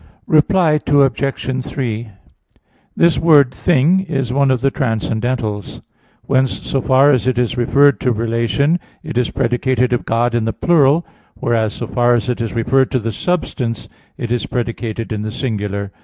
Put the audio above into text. Reply Obj. 3: This word "thing" is one of the transcendentals. Whence, so far as it is referred to relation, it is predicated of God in the plural; whereas, so far as it is referred to the substance, it is predicated in the singular.